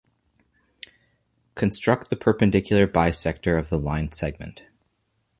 Construct the perpendicular bisector of the line segment.